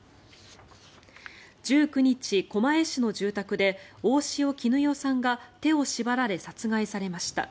１９日、狛江市の住宅で大塩衣與さんが手を縛られ、殺害されました。